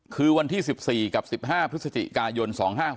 คือวันที่๑๔กับ๑๕พฤศจิกายน๒๕๖๖